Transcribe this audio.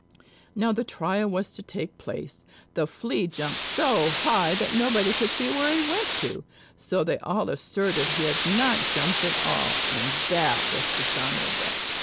Now the trial was to take place. The Flea jumped so high that nobody could see where he went to; so they all asserted he had not jumped at all; and that was dishonorable.